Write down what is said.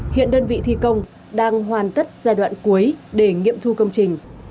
hiện đơn vị thi công đang hoàn tất giai đoạn cuối để nghiệm thu công trình